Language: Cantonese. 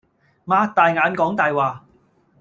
擘大眼講大話